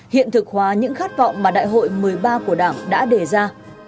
hiện thực hóa những khát vọng mà đại hội một mươi ba của đảng đã đề ra